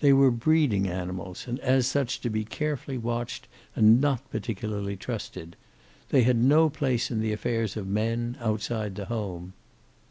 They were breeding animals, and as such to be carefully watched and not particularly trusted. They had no place in the affairs of men, outside the home.